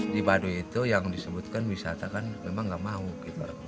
di baduy itu yang disebutkan wisata kan memang nggak mau